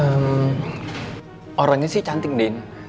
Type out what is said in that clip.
ehm orangnya sih cantik din